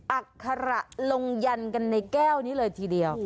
อัคระลงยันกันในแก้วนี้เลยทีเดียว